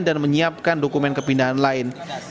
dan menyiapkan dokumen kepindahan lain